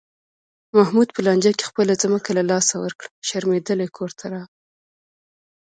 محمود په لانجه کې خپله ځمکه له لاسه ورکړه، شرمېدلی کورته راغی.